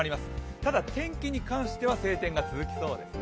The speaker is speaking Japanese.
ただ天気に関しては晴天が続きそうですね。